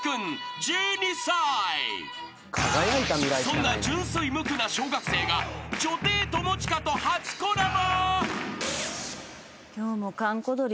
［そんな純粋無垢な小学生が女帝友近と初コラボ］